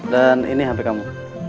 dan ini handphone kamu